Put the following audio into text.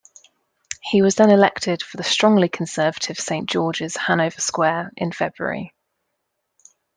He was then elected for the strongly Conservative Saint George's, Hanover Square, in February.